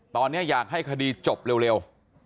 ตอนนี้อยากให้คดีจบเร็ว